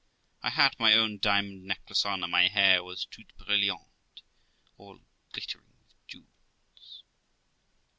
I had my own diamond necklace on, and my hair was tout brilliant, all glittering with jewels.